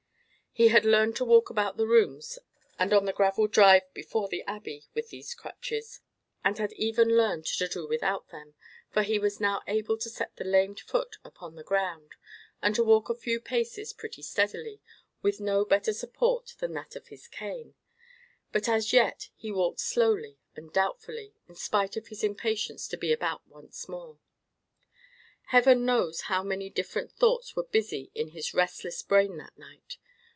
He had learned to walk about the rooms and on the gravel drive before the Abbey with these crutches, and had even learned to do without them, for he was now able to set the lamed foot upon the ground, and to walk a few paces pretty steadily, with no better support than that of his cane; but as yet he walked slowly and doubtfully, in spite of his impatience to be about once more. Heaven knows how many different thoughts were busy in his restless brain that night.